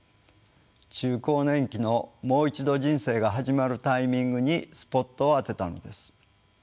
中高年期の「もう一度人生が始まるタイミング」にスポットを当てたのです。